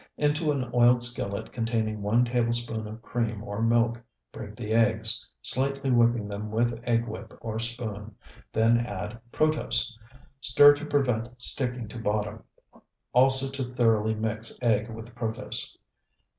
Into an oiled skillet containing one tablespoonful of cream or milk break the eggs, slightly whipping them with egg whip or spoon, then add protose. Stir to prevent sticking to bottom, also to thoroughly mix egg with protose.